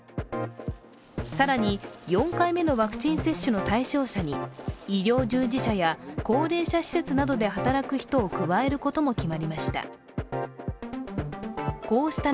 更に４回目のワクチン接種の対象者に医療従事者や高齢者施設などで働く人を加えることも決まりました。